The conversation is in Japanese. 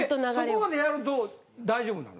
そこまでやると大丈夫なの？